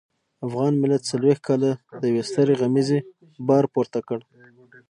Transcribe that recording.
افغان ملت څلويښت کاله د يوې سترې غمیزې بار پورته کړ.